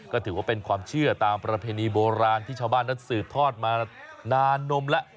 ก็ถือว่าเป็นความเชื่อตามประเพณีโบราณที่ชาวบ้านนั้นสืบทอดมานานนมแล้ว